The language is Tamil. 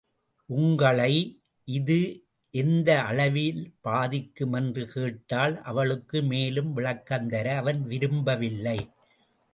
உங்களை இது எந்த அளவில் பாதிக்கும்? என்று கேட்டாள் அவளுக்கு மேலும் விளக்கம் தர அவன் விரும்ப வில்லை.